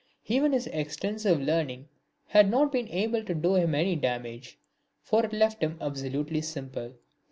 Even his extensive learning had not been able to do him any damage, for it left him absolutely simple.